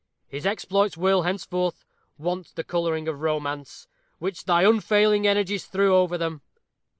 His exploits will, henceforth, want the coloring of romance, which thy unfailing energies threw over them.